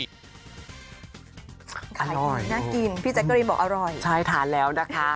อร่อยน่ากินพี่จักรีนบอกอร่อยใช่ทานแล้วนะคะ